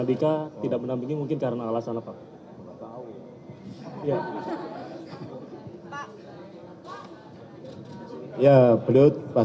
andika jenderal andika